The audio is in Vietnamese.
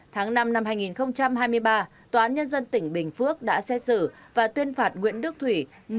tháng năm năm hai nghìn hai mươi ba tòa án nhân dân tỉnh bình phước đã xét xử và tuyên phạt nguyễn đức thủy